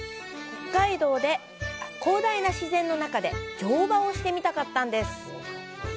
広大な自然の中で乗馬をしてみたかったんです。